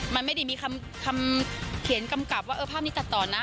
มันไม่ได้มีคำเขียนกำกับว่าเออภาพนี้ตัดต่อนะ